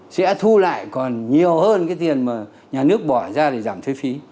sẽ thu lại còn nhiều hơn cái tiền mà nhà nước bỏ ra để giảm thuế phí